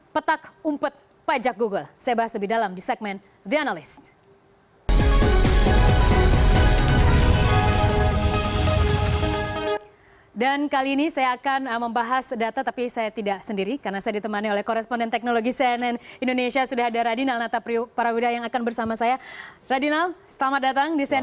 petak umpet pajak google saya bahas lebih dalam di segmen the analyst